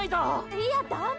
いやダメ！